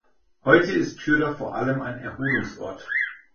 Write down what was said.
Heute ist Tyra vor allem ein Erholungsort.